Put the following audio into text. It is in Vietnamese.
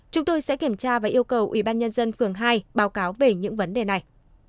chúng tôi sẽ kiểm tra và yêu cầu ubnd phường hai báo cáo về những vấn đề này